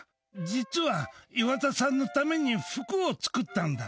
実は岩田さんのために服を作ったんだ。